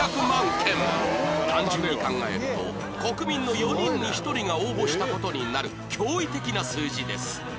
単純に考えると国民の４人に１人が応募した事になる驚異的な数字です